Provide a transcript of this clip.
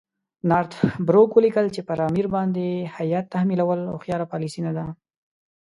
نارت بروک ولیکل چې پر امیر باندې هیات تحمیلول هوښیاره پالیسي نه ده.